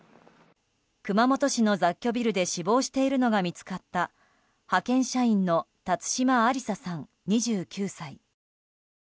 熊本市の雑居ビルで死亡しているのが見つかった派遣社員の辰島ありささん２９歳。